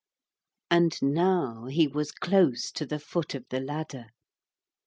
] And now he was close to the foot of the ladder.